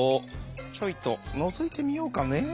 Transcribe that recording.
「ちょいとのぞいてみようかね？」。